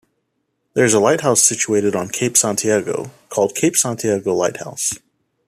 There is a lighthouse situated on Cape Santiago, called Cape Santiago Lighthouse.